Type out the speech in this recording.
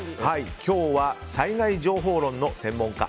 今日は、災害情報論の専門家